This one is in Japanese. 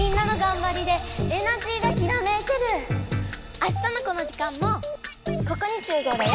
あしたのこの時間もここに集合だよ！